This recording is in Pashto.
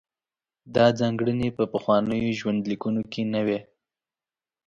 دا ځانګړنې په پخوانیو ژوندلیکونو کې نه وې.